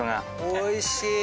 おいしい。